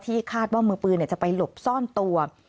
คาดว่ามือปืนจะไปหลบซ่อนตัว